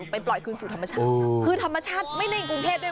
พี่พินโย